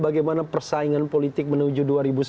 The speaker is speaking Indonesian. bagaimana persaingan politik menuju dua ribu sembilan belas